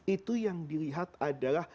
itu yang dilihat adalah